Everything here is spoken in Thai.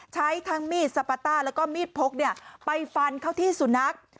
ใช้ทั้งมีดสปาต้าแล้วก็มีดพกไปฟันเข้าที่สุนัข